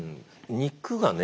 肉がね